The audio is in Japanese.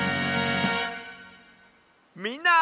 みんな！